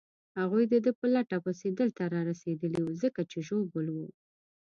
هغوی د ده په لټه پسې دلته رارسېدلي وو، ځکه چې ژوبل وو.